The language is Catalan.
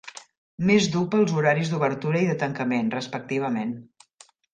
Més dur pels horaris d'obertura i de tancament, respectivament.